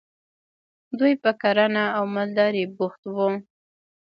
دوی په کرنه او مالدارۍ بوخت وو.